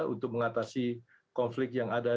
untuk mengatasi konflik yang ada